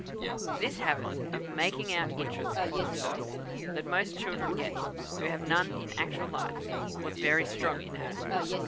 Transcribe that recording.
"This habit of 'making out' interests for themselves that most children get who have none in actual life, was very strong in her.